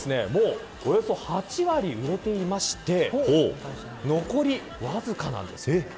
およそ８割売れていまして残りわずかなんです。